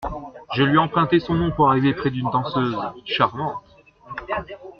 Je lui ai emprunté son nom pour arriver près d’une danseuse… charmante !